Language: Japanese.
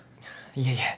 いえいえ